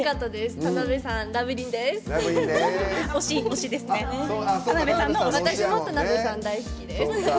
私も田辺さん、大好きです。